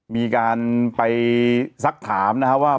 มีการไปสักถามนะครับว่า